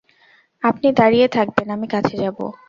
আপনি দাঁড়িয়ে থাকবেন, আমি কাছে যাব?